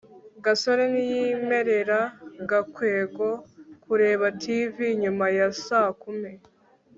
gasore ntiyemerera gakwego kureba tv nyuma ya saa kumi